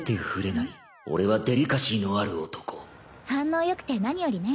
反応よくて何よりね。